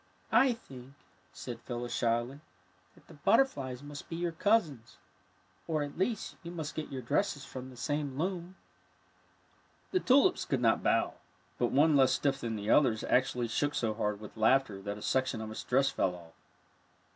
'''' I think," said PhylUs, shyly, " that the butterflies must be your cousins, or, at least, you must get your dresses from the same loom." The tulips could not bow, but one less stiff ALL IN A GARDEN FAIR 21 than the others actually shook so hard with laughter that a section of its dress fell off.